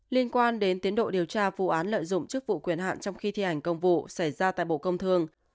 liên quan đến tiến độ điều tra vụ án lợi dụng chức vụ quyền hạn trong khi thi hành công vụ xảy ra tại bộ công thương